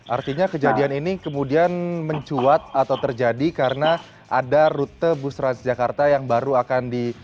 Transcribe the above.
artinya kejadian ini kemudian mencuat atau terjadi karena ada rute bus transjakarta yang baru akan di